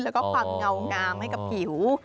แล้วก็ความเงางามให้กับผิว